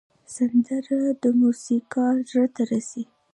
سندره د موسیقار زړه ته رسي